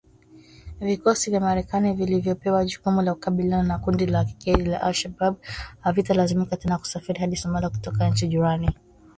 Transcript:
Vikosi vya Marekani vilivyopewa jukumu la kukabiliana na kundi la kigaidi la al-Shabab havitalazimika tena kusafiri hadi Somalia kutoka nchi jirani